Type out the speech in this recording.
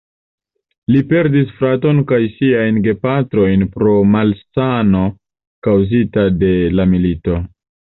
Li perdis fraton kaj siajn gepatrojn pro malsano kaŭzita de la milito.